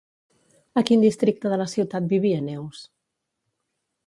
A quin districte de la ciutat vivia Neus?